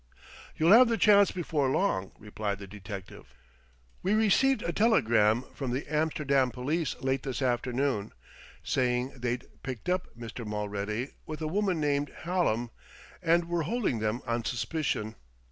"You'll have the chance before long," replied the detective. "We received a telegram from the Amsterdam police late this afternoon, saying they'd picked up Mr. Mulready with a woman named Hallam, and were holding them on suspicion.